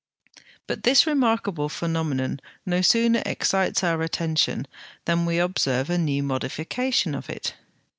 But this remarkable phenomenon no sooner excites our attention than we observe a new modification of it.